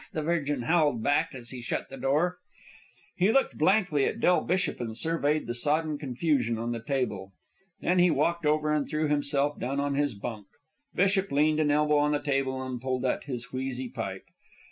the Virgin howled back as he shut the door. He looked blankly at Del Bishop and surveyed the sodden confusion on the table. Then he walked over and threw himself down on his bunk. Bishop leaned an elbow on the table and pulled at his wheezy pipe.